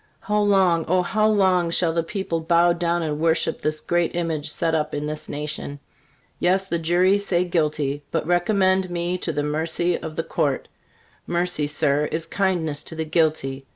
How long, O, how long shall the people bow down and worship this great image set up in this nation? Yes, the jury say guilty, but recommend me to the mercy of the Court. Mercy, Sir, is kindness to the guilty.